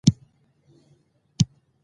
لټون د زړه له غوښتنې پیل کېږي.